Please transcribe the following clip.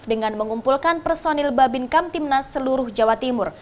dengan mengumpulkan personil babin kam timnas seluruh jawa timur